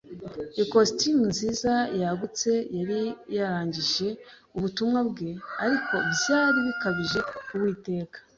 ikositimu nziza yagutse yari yarangije ubutumwa bwe, ariko byari bikabije Uwiteka